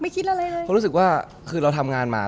คิดอะไรเลยเพราะรู้สึกว่าคือเราทำงานมา